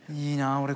いいなぁ